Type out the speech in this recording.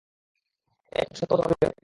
এখন সত্যও জনপ্রিয় হয়ে গেছে।